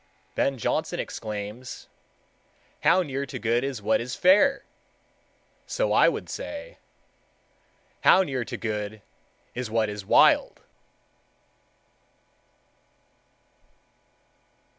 Ben Jonson exclaims,— "How near to good is what is fair!" So I would say,— "How near to good is what is wild!"